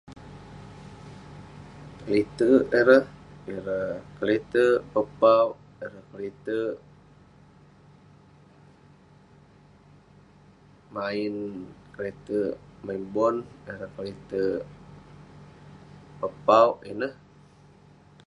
Leterk ireh, ireh keleterk pepauk, ireh keleterk main, keleterk main bon, ireh keleterk pepauk ineh.